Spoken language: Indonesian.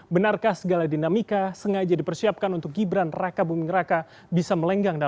benarkah segala dinamika sengaja dipersiapkan untuk gibran raka buming raka bisa melenggang